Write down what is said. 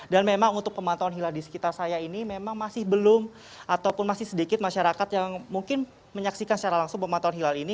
dan memang untuk pembatasan hilal di sekitar saya ini memang masih belum ataupun masih sedikit masyarakat yang mungkin menyaksikan secara langsung pembatasan hilal ini